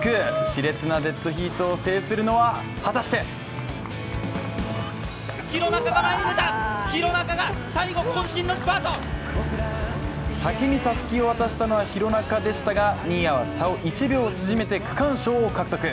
しれつなデッドヒートを制するのは果たして先にたすきを渡したのは廣中でしたが、新谷は差を１秒縮めて区間賞を獲得。